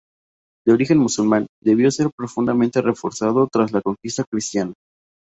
De origen musulmán, debió ser profundamente reformado tras la conquista cristiana.